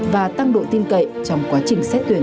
và tăng độ tin cậy trong quá trình xét tuyển